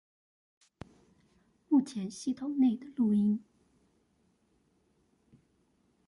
目前系統內的錄音